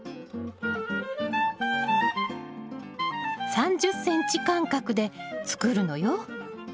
３０ｃｍ間隔で作るのよ。